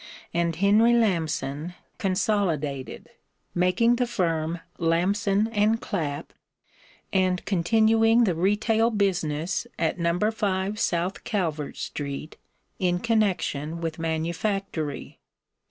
and Henry Lamson consolidated, making the firm Lamson & Clap, and continuing the retail business at No. 5 South Calvert street, in connection with manufactory.